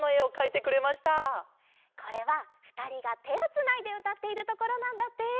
これはふたりがてをつないでうたっているところなんだって。